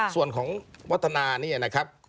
ส่วนของวัฒนาเนี่ยนะครับ